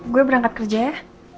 gue berangkat kerja ya